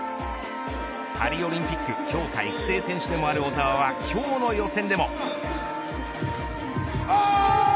パリオリンピック強化育成選手でもある小澤は今日の予選でも。